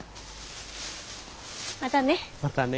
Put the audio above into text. またね。